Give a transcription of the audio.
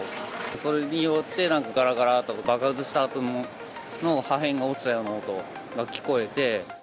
それによって、なんかがらがらと爆発したあとの破片が落ちたような音が聞こえて。